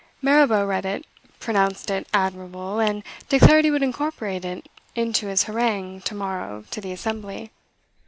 Mirabeau read it, pronounced it admirable, and declared he would incorporate it into his harangue, to morrow, to the Assembly.